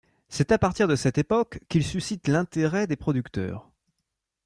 C'est à partir de cette époque qu'il suscite l'intérêt des producteurs.